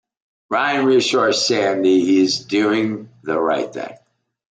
Ryan reassures Sandy he is doing the right thing.